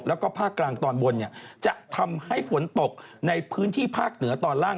แล้วก็ภาคกลางตอนบนเนี่ยจะทำให้ฝนตกในพื้นที่ภาคเหนือตอนล่าง